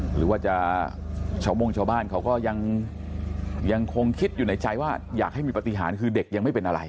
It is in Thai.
หรือว่าจะชาวมงชาวบ้านเขาก็ยังคงคิดอยู่ในใจว่าอยากให้มีปฏิหารคือเด็กยังไม่เป็นอะไร